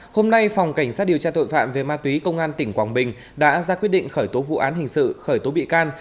hôm nay phòng cảnh sát điều tra tội phạm về ma túy công an tỉnh quảng bình đã ra quyết định khởi tố vụ án hình sự khởi tố bị can